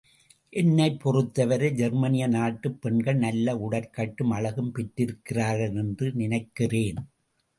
என்னைப் பொறுத்தவரை ஜெர்மனிய நாட்டுப் பெண்கள் நல்ல உடற்கட்டும் அழகும் பெற்றிருக்கிறார்கள் என்று நினைக்கிறேன்.